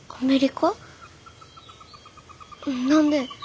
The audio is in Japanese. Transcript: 何で？